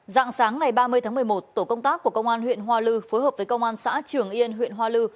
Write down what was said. dạng sáng ngày ba mươi tháng một mươi một tổ công tác của công an huyện hoa lư phối hợp với công an xã trường yên huyện hoa lư